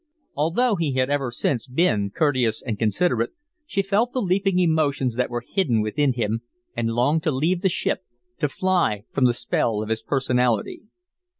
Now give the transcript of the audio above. Although he had ever since been courteous and considerate, she felt the leaping emotions that were hidden within him and longed to leave the ship, to fly from the spell of his personality.